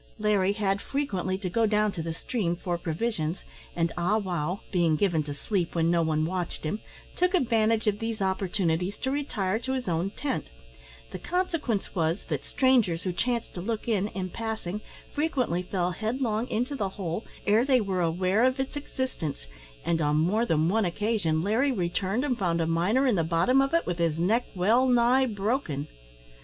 Larry had frequently to go down the stream for provisions, and Ah wow being given to sleep when no one watched him, took advantage of those opportunities to retire to his own tent; the consequence was, that strangers who chanced to look in, in passing, frequently fell headlong into the hole ere they were aware of its existence, and on more than one occasion Larry returned and found a miner in the bottom of it with his neck well nigh broken.